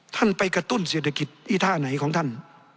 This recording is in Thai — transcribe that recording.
ท่านไปกระตุ้นเศรษฐกิจอีท่าไหนของท่าน